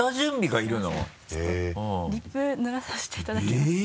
リップ塗らさせていただきます。